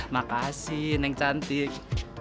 makasih neng cantik